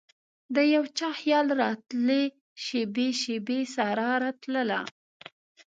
دیو چا خیال راتلي شیبې ،شیبې سارا راتلله